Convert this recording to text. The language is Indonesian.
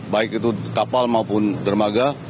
baik itu kapal maupun dermaga